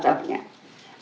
saya sudah sampaikan ini